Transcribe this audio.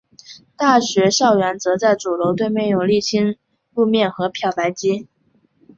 大学校园则在主楼对面有沥青路面和漂白机。